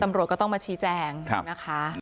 ตำรวจก็ต้องมาชี้แจงนะคะ